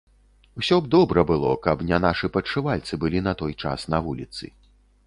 Усё б добра было, каб не нашы падшывальцы былі на той час на вуліцы.